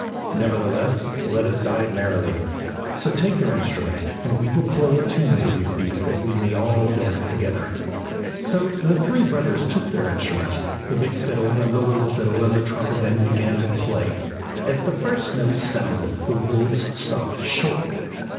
Nevertheless, let us die merrily, so take your instruments and we will play a tune for these beasts, that we may all dance together.' "So the three brothers took their instruments, the big fiddle, and the little fiddle, and the trumpet, and began to play. As the first notes sounded the wolves stopped short.